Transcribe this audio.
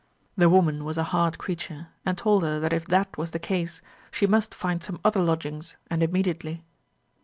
The woman was a hard creature, and told her that if that was the case, she must find some other lodgings, and immediately.